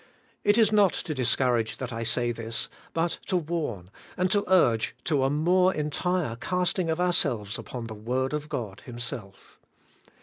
It is not to discourage that I say this, but to warn, and to urge to a more entire casting of ourselves upon the word of God Himself.